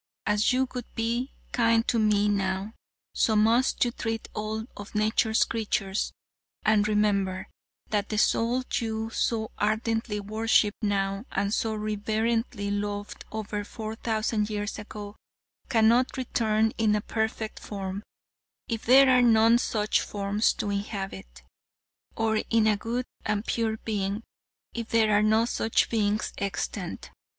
As you would be kind to me now, so must you treat all of nature's creatures. And remember, that the soul you so ardently worship now and so reverently loved over four thousand years ago, cannot return in a perfect form if there are none such forms to inhabit, or in a good and pure being if there are no such beings extant.